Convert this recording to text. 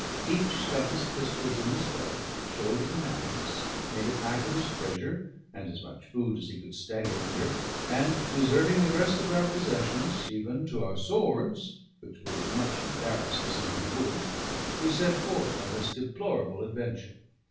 Each stuck his pistols in his belt, shouldered an axe, made a pack of his treasure and as much food as he could stagger under; and deserting the rest of our possessions, even to our swords, which would have much embarrassed us among the woods, we set forth on this deplorable adventure.